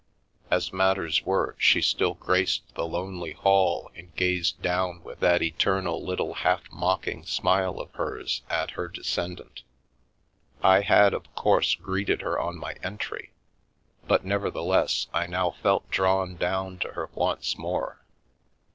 As matters were, she still graced the lonely hall and gazed down with that eternal little half mocking smile of hers at her descendant I had, of course, greeted her on my entry, but nevertheless I now felt drawn down to her once more.